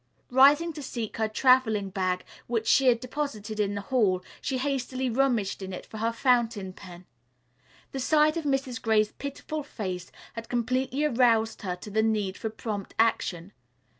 Rising to seek her traveling bag which she had deposited in the hall, she hastily rummaged in it for her fountain pen. The sight of Mrs. Gray's pitiful face had completely aroused her to the need for prompt action.